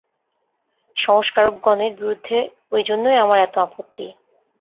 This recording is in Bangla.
সংস্কারকগণের বিরুদ্ধে ঐ জন্যই আমার এত আপত্তি।